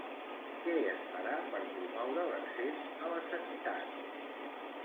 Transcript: Què es farà per promoure l'accés a la sanitat?